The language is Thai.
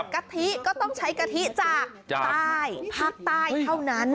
กะทิก็ต้องใช้กะทิจากใต้ภาคใต้เท่านั้น